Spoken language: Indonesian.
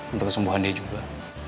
itu kesembuhan dia juga